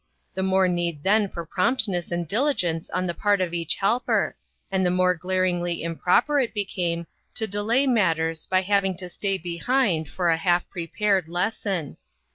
The more need then for promptness and diligence on the part of each helper, and the more glar ingly improper it became to delay matters by having to stay behind for a half prepared lesson.